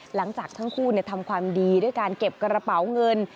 หลังจากทั้งคู่ทำความดีด้วยการเก็บกระเป๋าเงิน